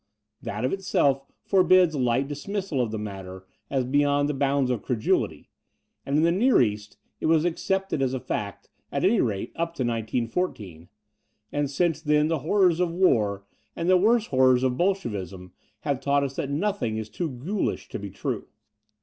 That of itself forbids light dismissal of the matter as beyond the boxmds of credulity, and in the Near East it was accepted as a fact, at any rate, up to 1914, and since then the horrors of war and the worse horrors of Bolshevism have taught us that nothing is too ghoulish to be true.